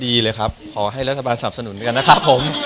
ดีเลยครับขอให้รัฐบาลสนับสนุนด้วยกันนะครับผม